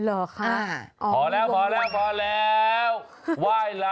โอโหว